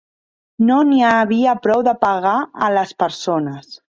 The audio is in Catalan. No n'hi havia prou de pegar a les persones.